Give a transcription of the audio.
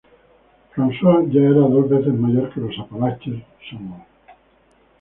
Francois ya era dos veces mayor que los Apalaches son hoy.